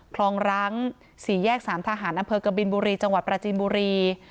คลองรังสี่แยกสามทหารอำเภอกบินบุรีจังหวัดปราจีนบุรี